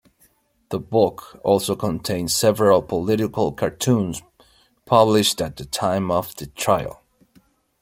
The book also contains several political cartoons published at the time of the trial.